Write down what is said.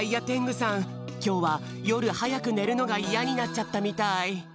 きょうはよるはやくねるのがイヤになっちゃったみたい。